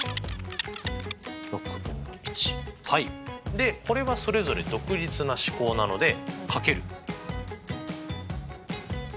でこれはそれぞれ独立な試行なのでかける。